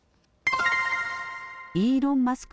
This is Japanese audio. イーロン・マスク